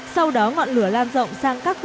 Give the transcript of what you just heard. sau đó ngọn lửa lan rộng sang các khu